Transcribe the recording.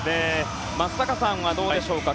松坂さんはどうでしょうか。